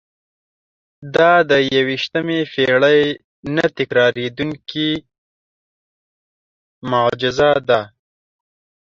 دا د یوویشتمې پېړۍ نه تکرارېدونکې معجزه ده.